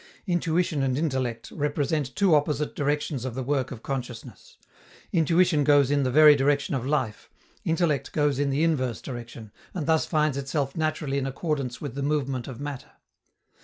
Intuition and intellect represent two opposite directions of the work of consciousness: intuition goes in the very direction of life, intellect goes in the inverse direction, and thus finds itself naturally in accordance with the movement of matter.